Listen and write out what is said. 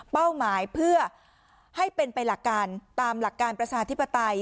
หมายเพื่อให้เป็นไปหลักการตามหลักการประชาธิปไตย